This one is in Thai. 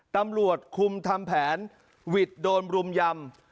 ตำรวจคุมทำแผนวิทย์โดนรุมยำ